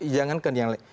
jangan kan yang lain